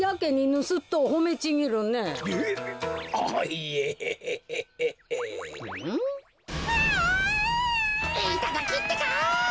いただきってか。